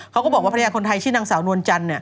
เขาก็บอกว่าภรรยาคนไทยชื่อนางสาวนวลจันทร์